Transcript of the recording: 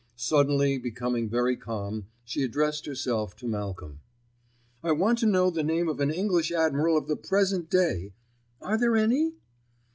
Suddenly becoming very calm, she addressed herself to Malcolm. "I want to know the name of an English admiral of the present day. Are there any?"